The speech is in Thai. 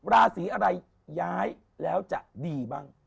ราศีอะไรย้ายแล้วจะดีบ้าง